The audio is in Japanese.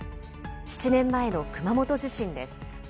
７年前の熊本地震です。